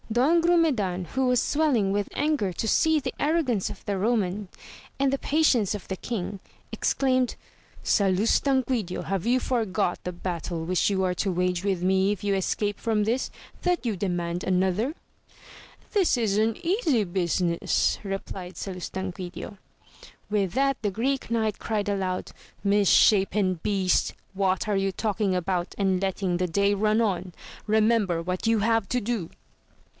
Don Grumedan, who was swelling with anger to see the arrogance of the Roman and the patience of the king, exclaimed, Salustanquidio, have you forgot the battle which you are to wage with me if you escape from this, that you demand another] This is an easy business, replied Salustanquidio. With that, the Greek knight cried aloud, Mishapen beast, what are you talking about, and letting the day run on? 38 AMADIS OF GAUL. remember what you have to do